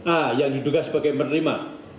a yang diduga sebagai penerima